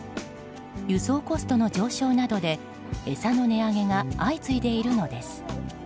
輸送コストの上昇などで餌の値上げが相次いでいるのです。